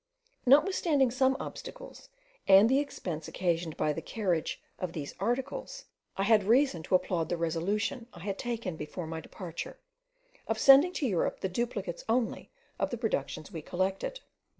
Notwithstanding some obstacles, and the expense occasioned by the carriage of these articles, I had reason to applaud the resolution I had taken before my departure, of sending to Europe the duplicates only of the productions we collected.